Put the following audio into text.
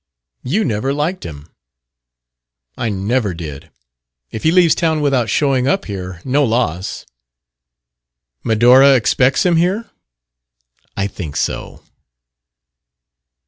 "You never liked him." "I never did. If he leaves town without showing up here, no loss." "Medora expects him here?" "I think so."